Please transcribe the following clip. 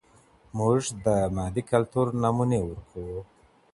مونږ د مادې کلتور نمونې ورکوو.